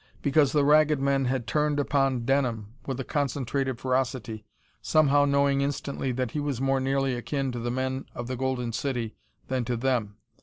Because the Ragged Men had turned upon Denham with a concentrated ferocity, somehow knowing instantly that he was more nearly akin to the men of the Golden City than to them.